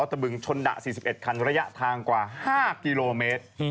ตะบึงชนดะ๔๑คันระยะทางกว่า๕กิโลเมตร